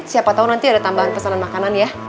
siapa tahu nanti ada tambahan pesanan makanan ya